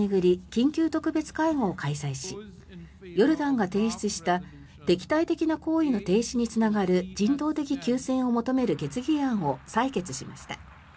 緊急特別会合を開催しヨルダンが提出した敵対的な行為の停止につながる人道的休戦を求める決議案を採決しました。